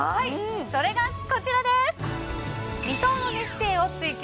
それがこちらです